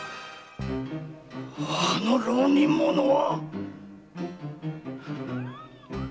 あの浪人者は！